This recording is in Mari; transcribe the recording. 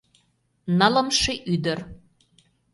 Нылымше ӱдыр.